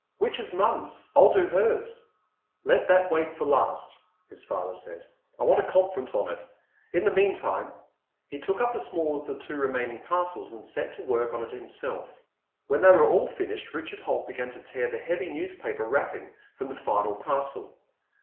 "Which is Mom's? I'll do hers." "Let that wait for last," his father said. "I want a conference on it. In the meantime—" He took up the smaller of the two remaining parcels and set to work on it himself. When they were all finished, Richard Holt began to tear the heavy newspaper wrapping from the final parcel.